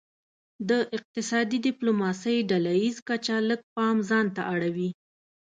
د اقتصادي ډیپلوماسي ډله ایزه کچه لږ پام ځانته اړوي